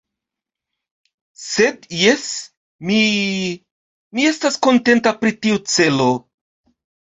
Sed, jes, mi... mi estas kontenta pri tiu celo.